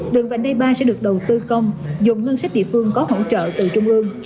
đường vành đai ba sẽ được đầu tư công dùng ngân sách địa phương có hỗ trợ từ trung ương